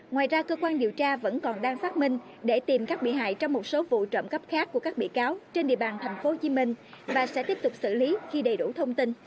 ngoài ra cơ quan điều tra vẫn còn đang phát minh để tìm các bị hại trong một số vụ trộm cắp khác của các bị cáo trên địa bàn tp hcm và sẽ tiếp tục xử lý khi đầy đủ thông tin